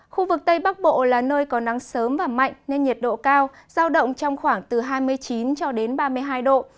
khu vực tây bắc bộ là nơi có nắng sớm và mạnh nên nhiệt độ cao giao động trong khoảng từ hai mươi chín cho đến ba mươi hai độ